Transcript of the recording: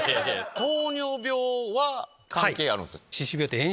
糖尿病は関係あるんすか？